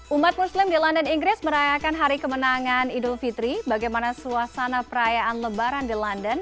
umat muslim di london inggris merayakan hari kemenangan idul fitri bagaimana suasana perayaan lebaran di london